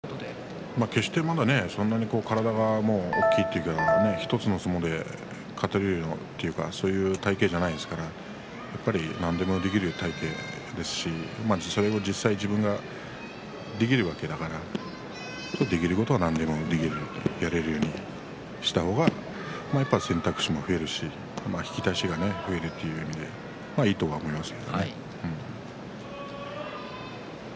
決して体が大きいというか１つの相撲で勝てるような体形ではないですから何でもできる体形ですし実際、自分ができるわけだからできることは何でもできるやれるようにした方が選択肢も増えるし引き出しも増えるという意味でいいとは思います。